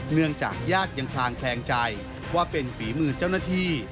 เนื่องจากญาติยังคลางแคลงใจว่าเป็นฝีมือเจ้าหน้าที่